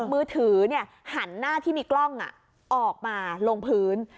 มือถือหันหน้าที่มีกล้องออกมาลงพื้น